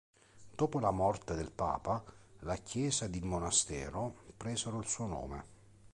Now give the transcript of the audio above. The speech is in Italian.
Dopo la morte del papa la chiesa ed il monastero presero il suo nome.